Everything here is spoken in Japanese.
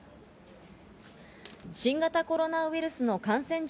新型コロナウイルスの感染状